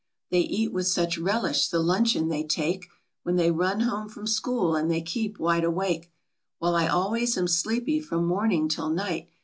They eat with such relish the luncheon they take, When they run home from school ; and they keep wide awake, While I always am sleepy from morning till night."